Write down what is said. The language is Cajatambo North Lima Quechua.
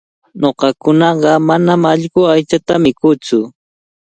Ñuqakunaqa manami allqu aychata mikuutsu.